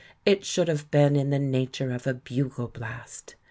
It should have been in the nature of a bugle blast.